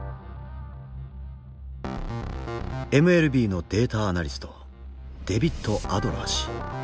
ＭＬＢのデータアナリストデビッド・アドラー氏。